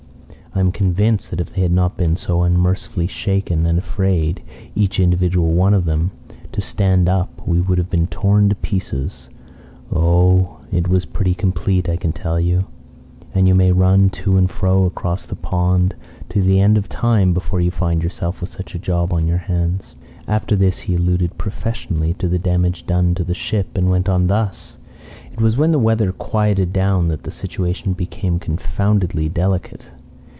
I am convinced that if they had not been so unmercifully shaken, and afraid each individual one of them to stand up, we would have been torn to pieces. Oh! It was pretty complete, I can tell you; and you may run to and fro across the Pond to the end of time before you find yourself with such a job on your hands." After this he alluded professionally to the damage done to the ship, and went on thus: "It was when the weather quieted down that the situation became confoundedly delicate.